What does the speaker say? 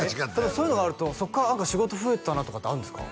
そういうのがあるとそっから何か仕事増えたなとかってあるんですか？